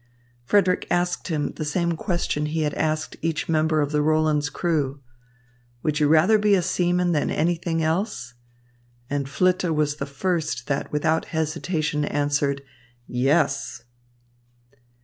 Frederick asked him the same question he had asked each member of the Roland's crew: "Would you rather be a seaman than anything else?" And Flitte was the first that without hesitation answered, "Yes."